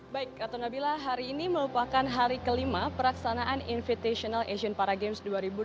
baik ratu nabila hari ini merupakan hari kelima peraksanaan invitational asian paragames dua ribu delapan belas